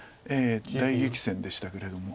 大激戦でしたけれども。